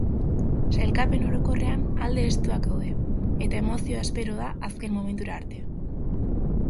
Sailkapen orokorrean alde estuak daude, eta emozioa espero da azken momentura arte.